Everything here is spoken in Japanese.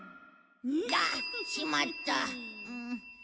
あっ！しまった。